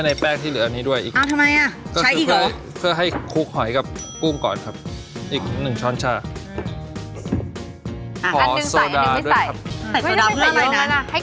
อันนี้ก็คืออยู่ที่ปริมาณของหอยกับกุ้งเธอจะใช้ถูกไหม